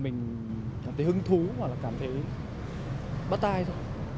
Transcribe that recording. nên là mình